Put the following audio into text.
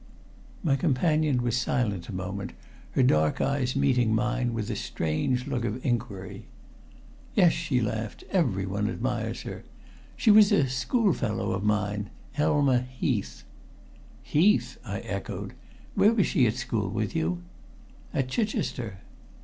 My companion was silent a moment, her dark eyes meeting mine with a strange look of inquiry. "Yes," she laughed, "everyone admires her. She was a schoolfellow of mine Elma Heath." "Heath!" I echoed. "Where was she at school with you?" "At Chichester."